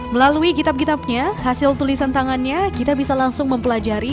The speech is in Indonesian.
melalui kitab kitabnya hasil tulisan tangannya kita bisa langsung mempelajari